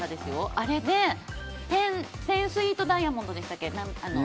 あれで、１０スイートダイヤモンドでしたっけ